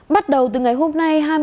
bắt đầu từ ngày hôm nay